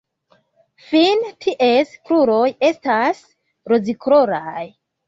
Fine ties kruroj estas rozkoloraj.